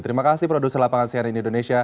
terima kasih produser lapangan sehat di indonesia